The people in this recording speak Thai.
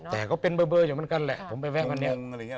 แต่เขาเป็นเบอร์เหมือนกันแหละผมไปแวะกันเนี่ย